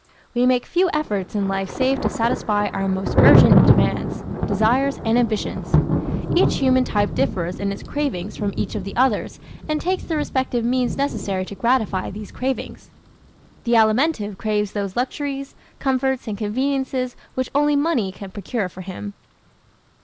We make few efforts in life save to satisfy our most urgent demands, desires, and ambitions. Each human type differs in its cravings from each of the others and takes the respective means necessary to gratify these cravings. The Alimentive craves those luxuries, comforts and conveniences which only money can procure for him.